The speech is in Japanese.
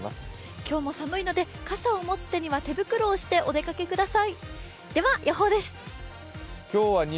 今日も寒いので傘を持つ手には手袋をしてお出かけください。